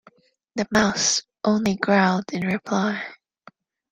The Mouse only growled in reply.